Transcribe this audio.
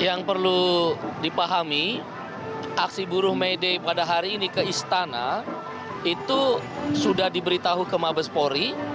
yang perlu dipahami aksi buruh may day pada hari ini ke istana itu sudah diberitahu ke mabespori